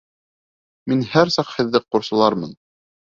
Мин һәр саҡ һеҙҙе ҡурсалармын...